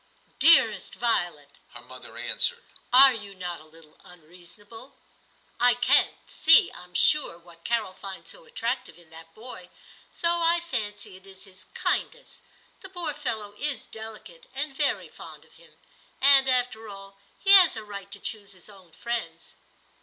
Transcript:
* 266 TIM CHAP. * Dearest Violet/ her mother answered, * are you not a little unreasonable ? I can't see, Fm sure, what Carol finds so attractive in that boy, though I fancy it is his kind ness. The poor fellow is delicate, and very fond of him ; and after all, he has a right to choose his own friends.'